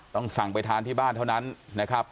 ต้องสั่งไปทานที่บ้านเท่านั้นนะครับ